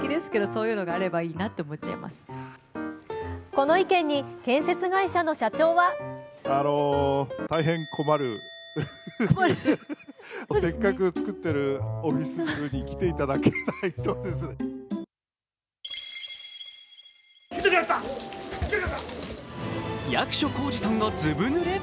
この意見に建設会社の社長は役所広司さんがずぶぬれ？